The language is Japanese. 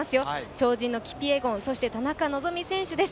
超人のキピエゴン、そして田中希実選手です。